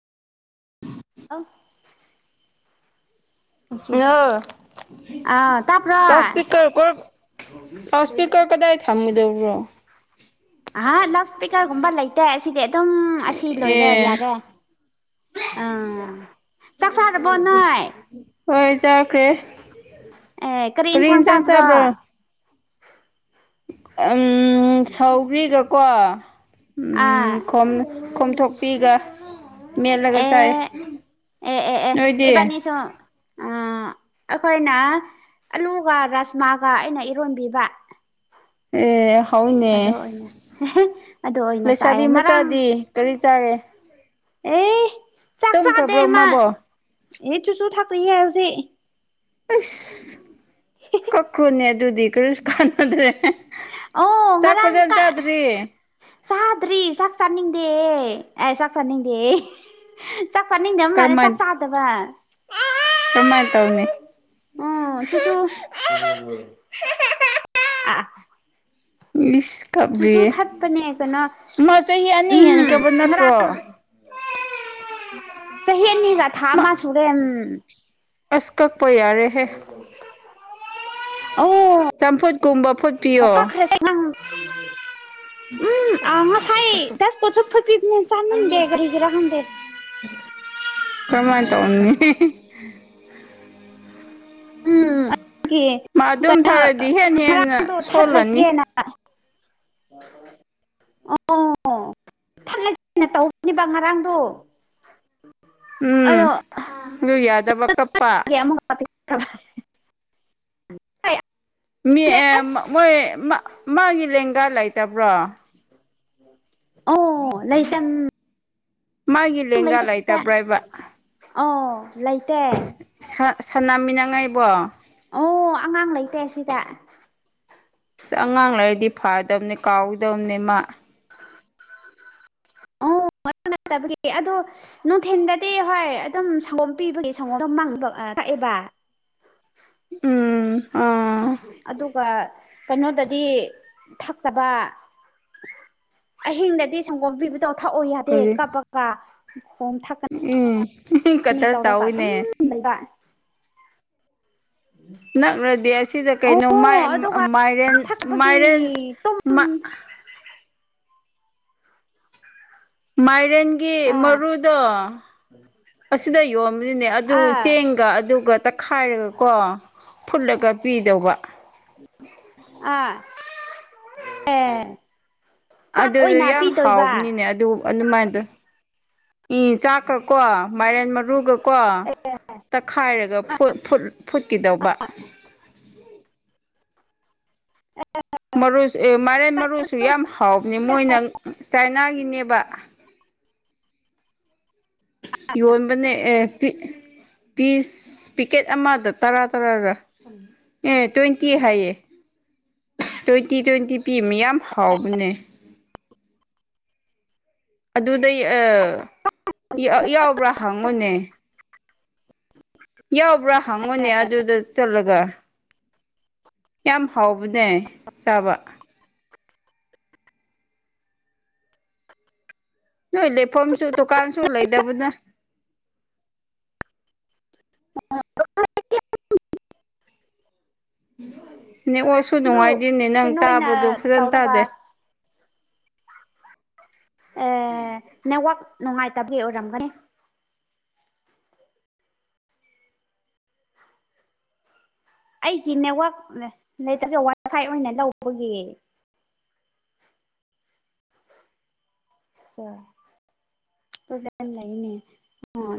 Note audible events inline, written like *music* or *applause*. ꯑ ꯑ ꯑꯥ ꯇꯥꯕ꯭ꯔꯣ ꯇꯁꯄꯀꯔ ꯀ ꯇꯁꯄꯀꯔ ꯀꯗꯥ ꯊꯝꯃꯨꯗꯕ꯭ꯔꯣ ꯑꯍ ꯂꯥꯎꯠ ꯏꯁꯄꯤꯀꯔꯒꯨꯝꯕ ꯂꯩꯇꯦ ꯑꯁꯤꯗꯤ ꯑꯗꯨꯝ ꯑꯁꯤ ꯂꯣꯏꯔꯦ ꯑꯦ ꯌꯥꯔꯦ ꯑꯥ ꯆꯥꯛ ꯆꯥꯔꯕꯣ ꯅꯣꯏ ꯍꯣꯏ ꯆꯈ꯭ꯔꯦ ꯑꯦ ꯀꯔꯤ ꯏꯟꯁꯥꯡ ꯆꯥꯕ꯭ꯔꯣ ꯎ ꯁꯧ꯭ꯔꯤꯒꯀꯣ ꯑꯥ ꯎꯝ ꯈꯣꯝ ꯈꯣꯝꯊꯣꯛꯄꯤꯒ ꯃꯦꯠꯂꯒ ꯆꯥꯏ ꯑꯦ ꯑꯦ ꯑꯦ ꯑꯦ ꯅꯣꯏꯗꯤ ꯑꯦꯕꯥꯅꯤ ꯆ ꯑ ꯑꯩꯈꯣꯏꯅ ꯑꯂꯨꯒ ꯔꯖꯃꯥꯒ ꯑꯩꯅ ꯏꯔꯣꯟꯕꯤꯕ ꯑꯦ ꯍꯧꯅꯦ ꯑꯗꯣ ꯑꯣꯏꯅ ꯑꯗꯨ ꯑꯣꯏꯅ ꯂꯩꯁꯥꯕꯤ ꯆꯥꯏꯌꯦ ꯉꯔꯥꯡ ꯃꯆꯥꯗꯤ ꯀꯔꯤ ꯆꯉꯦ ꯑꯦ ꯆꯥꯛ ꯆꯥꯛꯗꯦ ꯏꯃꯥꯟ ꯃꯥꯕꯣ ꯑꯦ ꯆꯨꯁꯨ ꯊꯥꯛꯨꯏꯍ ꯍꯧꯖꯤꯛ ꯑꯁ ꯀꯛꯈ꯭ꯔꯣꯅꯦ ꯑꯗꯨꯗꯤ ꯀꯔꯤꯁꯨ ꯀꯥꯟꯅꯗ꯭ꯔꯦ ꯑꯣ ꯆꯥꯛ ꯐꯖꯅ ꯆꯥꯗ꯭ꯔꯤ ꯆꯗ꯭ꯔꯤ ꯆꯥꯛ ꯆꯥꯅꯤꯡꯗꯦ ꯑꯩ ꯆꯥꯛ ꯆꯥꯅꯤꯡꯗꯦ ꯆꯥꯛ ꯆꯥꯅꯤꯗꯕ ꯃꯥꯦ ꯆꯥꯛ ꯆꯥꯗꯕ ꯀ꯭ꯔꯃꯥꯏ ꯇꯥꯎꯅꯤ ꯑꯣ ꯏꯁ ꯀ꯭ꯔꯤꯌꯦ ꯊꯠꯄꯅꯦ ꯀꯩꯅꯣ ꯃꯥ ꯆꯍꯤ ꯑꯅꯤ ꯍꯦꯟ ꯎꯝ ꯀꯕ ꯅꯠꯇ꯭ꯔꯣ ꯆꯍꯤꯅꯤꯒ ꯊꯥ ꯃꯥ ꯑꯃ ꯁꯨꯔꯦ ꯑꯁ ꯀꯛꯄ ꯌꯥꯔꯦꯍꯦ ꯑꯣ ꯆꯝꯐꯨꯠ ꯀꯨꯝꯕ ꯐꯨꯠꯄꯤꯌꯣ ꯑꯗꯨꯝ ꯎꯝ ꯑ ꯁ ꯗꯁꯄꯁꯨ ꯄꯤ ꯁꯗꯔꯤꯒꯤꯔꯟꯗ ꯀꯃꯥꯏ ꯇꯧ ꯑꯣꯅꯤ ꯎꯝ ꯑꯗꯨ ꯃꯥ ꯑꯗꯨꯝ ꯀꯩꯅꯣ ꯊꯧꯔꯗꯤ ꯍꯦꯟ ꯍꯦꯟꯅ ꯃꯔꯥꯡꯗ ꯁꯣꯜꯂꯅꯤ ꯊꯠꯂꯒꯦꯅ ꯑ ꯊꯂ ꯊꯅ ꯇꯧꯕꯅꯦꯕ ꯉꯔꯥꯡꯗꯣ ꯎꯝ ꯑꯗꯣꯛ ꯑꯗꯨ ꯌꯥꯗꯕ ꯀꯞꯄ *inaudible* ꯑꯁ ꯃꯣꯏ ꯃꯥꯒꯤ ꯂꯦꯡꯒꯥ ꯂꯩꯇꯕ꯭ꯔꯣ ꯑꯣ ꯂꯩꯥꯏꯇꯝ ꯃꯥꯒꯤ ꯂꯍꯒꯥ ꯂꯩꯏꯇꯕ꯭ꯔꯥ ꯏꯕ ꯂꯩ ꯂꯩꯇ ꯁꯥꯟꯅꯃꯤꯟꯅꯉꯥꯏꯕꯣ ꯑꯣ ꯑꯉꯥꯡ ꯂꯩꯇꯦ ꯁꯤꯗ ꯑꯁ ꯑꯉꯥꯡ ꯂꯩꯔꯗꯤ ꯐꯥꯗꯕꯅꯦ ꯀꯥꯎꯗꯕꯅꯦ ꯃꯥ *unintelligible* ꯑꯣ *inaudible* ꯑꯗꯣ ꯅꯨꯡꯊꯤꯟꯜꯗꯗꯤ ꯍꯣꯏ ꯑꯗꯨꯝ ꯁꯪꯒꯣꯝ ꯄꯤꯕꯒꯤ ꯁꯪꯒꯣꯝꯝ ꯃꯥꯡꯕꯥꯛ ꯋꯥꯕꯥ ꯎꯝ ꯑꯣ ꯑꯗꯨꯒ ꯀꯩꯅꯣꯗꯗꯤ ꯊꯛꯇꯕ ꯑꯍꯤꯡꯗꯗꯤ ꯁꯪꯒꯣꯝ ꯄꯕ ꯇꯧ ꯊꯛꯑꯣ ꯌꯥꯗꯦ ꯀꯔꯤ ꯀꯞꯄꯒ ꯈꯣꯝ ꯊꯛꯀꯅꯤ ꯎꯝ ꯀꯇꯔ ꯇꯧꯔꯒ ꯑꯗꯨꯝ ꯆꯥꯣꯏꯅꯦ ꯂꯩꯕ ꯅꯛꯂꯗꯤ ꯑꯁꯤꯗ ꯑꯣ ꯀꯩꯅꯣ ꯑꯗꯨꯒ ꯃꯥꯏꯔꯦꯟ ꯊꯛꯄꯒꯤ ꯃꯥꯏꯔꯦꯟ ꯇꯨꯝ ꯃ ꯃꯥꯏꯔꯦꯟꯒꯤ ꯑꯥ ꯃꯔꯨꯗꯣ ꯑꯁꯤꯗ ꯌꯣꯟꯕꯅꯤꯅꯦ ꯑꯗꯨ ꯑꯥ ꯆꯦꯡꯒ ꯑꯗꯨꯒ ꯇꯛꯈꯥꯏꯔꯒ ꯀꯣ ꯐꯨꯠꯂꯒ ꯄꯤꯗꯧꯕ ꯑꯦꯝ ꯑꯗꯨꯗ ꯌꯥꯝ ꯍꯥꯎꯕꯅꯤꯅꯦ ꯑꯗꯨ ꯑꯗꯨꯃꯥꯏꯅꯗ ꯏ ꯆꯥꯛꯀꯀꯣ ꯃꯥꯏꯔꯦꯟ ꯃꯔꯨꯒ ꯀꯣ ꯇꯛꯈꯥꯏꯔꯒ ꯐꯨꯠꯈꯤꯗꯧꯕ ꯃꯔꯨꯁꯨ ꯃꯔꯦꯟ ꯃꯔꯨꯁꯨ ꯌꯥꯝ ꯍꯥꯎꯕꯅꯦ ꯃꯣꯏꯅ ꯆꯥꯏꯅꯥꯒꯤꯅꯦꯕ ꯌꯣꯟꯕꯅꯦ ꯑꯦ ꯄꯤꯁ ꯄꯤꯀꯦꯠ ꯑꯃꯗ ꯇꯔꯥ ꯇꯔꯥꯔꯥ ꯑꯦ ꯇ꯭ꯋꯦꯟꯇꯤ ꯍꯥꯏꯌꯦ ꯇ꯭ꯋꯦꯟꯇꯤ ꯇ꯭ꯋꯦꯟꯇꯤ ꯄꯤꯃꯤ ꯌꯥꯝ ꯍꯥꯎꯕꯅꯦ ꯑꯗꯨꯗ ꯌꯥꯎꯕ꯭ꯔꯥ ꯍꯪꯉꯨꯅꯦ ꯌꯥꯎꯕ꯭ꯔꯥ ꯍꯪꯉꯨꯅꯦ ꯑꯗꯨꯗ ꯆꯠꯂꯒ ꯌꯥꯝ ꯍꯥꯎꯕꯅꯦ ꯆꯥꯕ ꯅꯣꯏ ꯂꯩꯐꯝꯁꯨ ꯗꯨꯀꯥꯟꯁꯨ ꯂꯩꯗꯕꯅ ꯍ ꯅ ꯑꯣꯁꯨ ꯑꯗꯨ ꯅꯨꯡꯉꯥꯏꯗꯤꯦꯅꯦ ꯅꯪ ꯀꯩꯅꯣ ꯑꯣꯏꯅ ꯇꯥꯕꯗ ꯐꯖꯅ ꯇꯧꯔꯒ ꯇꯥꯗꯦ ꯑꯦ ꯅꯦꯋꯥꯛ ꯅꯨꯡꯉꯥꯏꯇꯕꯒꯤ ꯑꯣꯏꯔꯝꯒꯅꯤ ꯑꯩꯒꯤ ꯅꯦꯠꯋꯛ ꯂꯩꯇꯒꯦ ꯋꯥꯏꯐꯥꯏ ꯑꯣꯏꯅ ꯂꯧꯕꯒꯤ ꯂꯩꯅꯦ